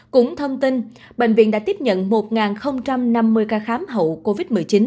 cũng thông tin bệnh viện đã tiếp nhận một năm mươi ca khám hậu covid một mươi chín